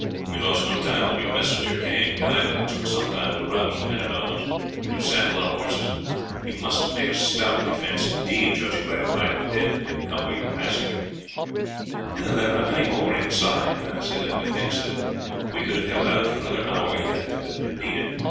"We lost no time when your messenger came, Guy, but it took some time to rouse the men at arms and to saddle our horses. You must have made a stout defence indeed, judging by the pile of dead that encumber your passage." "There are many more inside," Guy said, "and methinks that we could have held out for another hour yet if it had been needed.